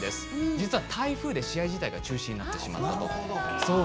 実は台風で試合自体が中止になってしまったと。